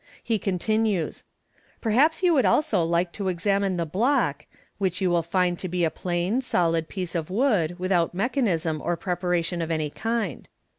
He continues, " Perhaps you would also like to examine the block, which you will find to be a plain, solid piece of wood without mechanism or prepara tion of any kind."